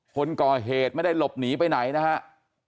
คนก่อเหตุไม่ได้หลบหนีไปไหนนะครับ